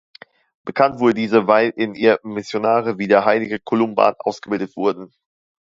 Bekannt wurde diese, weil in ihr Missionare wie der heilige Columban ausgebildet wurden.